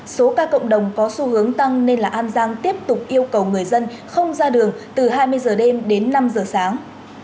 số ca cộng đồng có xu hướng tăng nên là an giang tiếp tục yêu cầu người dân không ra đường từ hai mươi giờ đêm đến năm giờ sáng